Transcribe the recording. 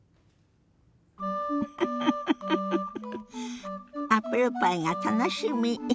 ウフフアップルパイが楽しみ！